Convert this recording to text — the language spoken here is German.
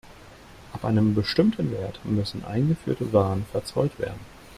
Ab einem bestimmten Wert müssen eingeführte Waren verzollt werden.